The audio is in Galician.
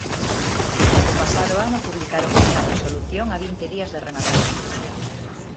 O pasado ano publicaron esta resolución a vinte días de rematar o curso.